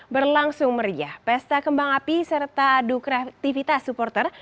berlangsung meriah pesta kembang api serta adu kreativitas supporter